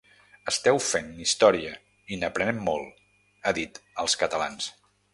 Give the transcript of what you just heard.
Esteu fent història i n’aprenem molt, ha dit als catalans.